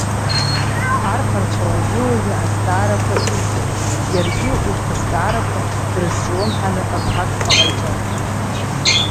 Арԥарцәа уажәы-уажәы азҵаарақәа ирҭон, иаргьы урҭ азҵаарақәа дрызҿлымҳаны рҭакқәа ҟаиҵон.